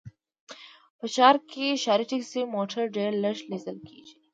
په ښار کې ښاري ټکسي موټر ډېر لږ ليدل کېږي